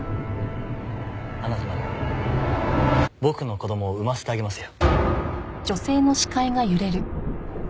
あなたなら僕の子供を産ませてあげますよ。